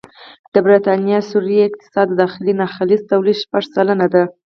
د بریتانیا سیوري اقتصاد د داخلي ناخالص توليد شپږ سلنه دی